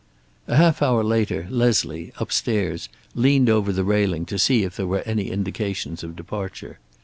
A half hour later Leslie, upstairs, leaned over the railing to see if there were any indications of departure.